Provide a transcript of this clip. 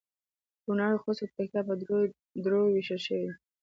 کونړ ، خوست او پکتیا په درو درو ویشل شوي دي